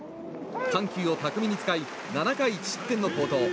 緩急を巧みに使い７回１失点の好投。